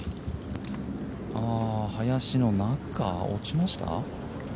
ああ、林の中、落ちました？